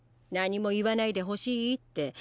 何も言わないでほしいって。